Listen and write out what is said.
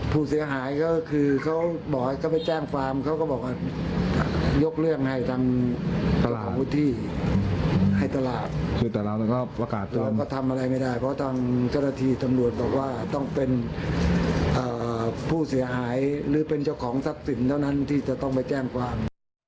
ผู้เสียหายหรือเป็นเจ้าของทรัพย์สินเท่านั้นที่จะต้องไปแจ้งความ